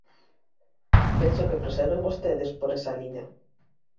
Vexo que proseguen vostedes por esa liña.